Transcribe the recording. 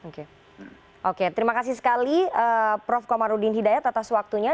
oke oke terima kasih sekali prof komarudin hidayat atas waktunya